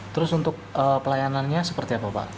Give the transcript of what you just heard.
terus untuk pelayanannya seperti apa pak